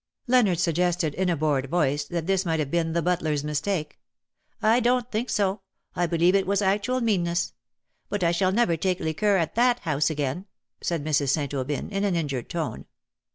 Leonard suggested in a bored voice that this might have been the butler^s mistake. "I don^t think so. I believe it was actual meanness — but I shall never take liqueur at that house again," said Mrs. St. Aubyn, in an injured tone.